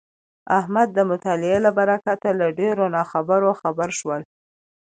احمد د مطالعې له برکته له ډېرو ناخبرو خبر شولو.